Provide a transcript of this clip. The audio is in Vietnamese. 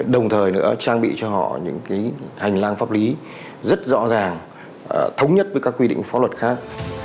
đồng thời nữa trang bị cho họ những hành lang pháp lý rất rõ ràng thống nhất với các quy định pháp luật khác